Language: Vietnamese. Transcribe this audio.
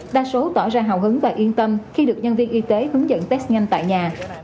đa số tỏ ra hào hứng và yên tâm khi được nhân viên y tế hướng dẫn test nhanh tại nhà